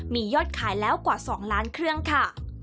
มียอดขายแล้วกว่า๒ล้านเครื่องค่ะ